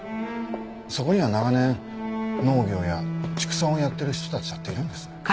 そこには長年農業や畜産をやってる人たちだっているんですよ。